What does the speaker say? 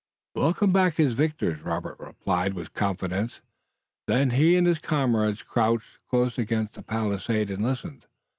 "We'll come back as victors," Robert replied with confidence. Then he and his comrades crouched, close against the palisade and listened.